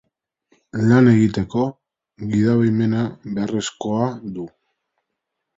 Lan egiteko gidabaimena beharrezkoa du.